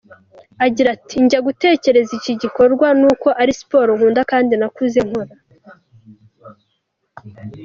Agira ati “Njya gutekereza iki gikorwa ni uko ari siporo nkunda kandi nakuze nkora.